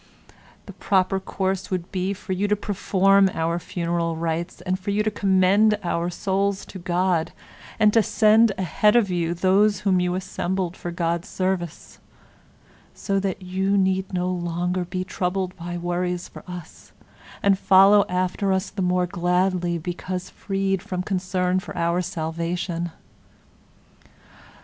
The proper course would be for you to perform our funeral rites, for you to commend our souls to God, and to send ahead of you those whom you assembled for God's service — so that you need no longer be troubled by worries for us, and follow after us the more gladly because freed from concern for our salvation.